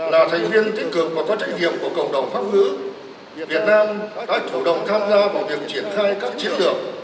là thành viên tích cực và có trách nhiệm của cộng đồng pháp ngữ việt nam đã chủ động tham gia vào việc triển khai các chiến lược